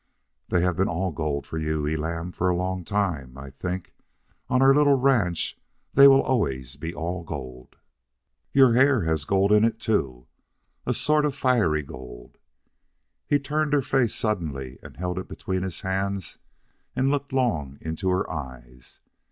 "They have been all gold for you, Elam, for a long time. I think, on our little ranch, they will always be all gold." "Your hair has gold in it, too, a sort of fiery gold." He turned her face suddenly and held it between his hands and looked long into her eyes.